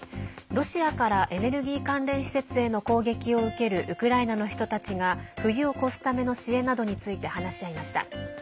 ロシアからエネルギー関連施設への攻撃を受けるウクライナの人たちが冬を越すための支援などについて話し合いました。